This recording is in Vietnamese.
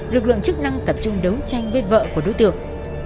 lực lượng chức năng tập trung đấu tranh với vợ của đối tượng